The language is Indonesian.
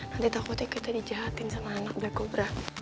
nanti takutnya kita dijahatin sama anak black cobra